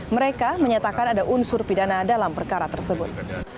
mereka menyatakan ada unsur pidana dalam perkara tersebut